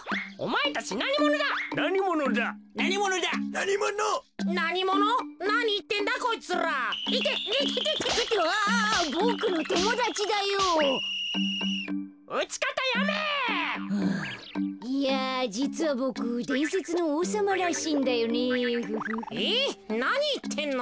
えなにいってんの？